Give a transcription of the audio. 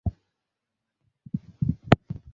তবে ভয়ের কিছু নেই, একজন দারোয়ান আছে।